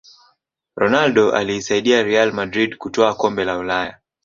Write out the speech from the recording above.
ronaldo aliisaidia real madrid kutwaa kombe la ulaya